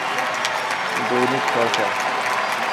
দৈনিক চর্চা।